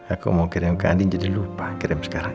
aku mau kirim ke anin jadi lupa kirim sekarang